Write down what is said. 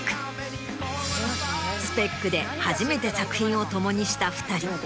『ＳＰＥＣ』で初めて作品を共にした２人。